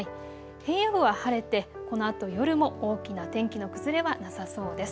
平野部は晴れてこのあと夜も大きな天気の崩れはなさそうです。